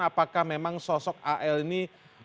apakah memang sosok al ini